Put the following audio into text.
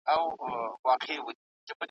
پل مي له باده سره ځي نن تر کاروانه نه ځي ,